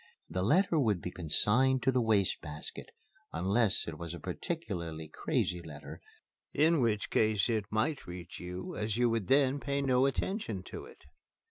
The letter would be consigned to the waste basket unless it was a particularly crazy letter in which case it might reach you, as you would then pay no attention to it.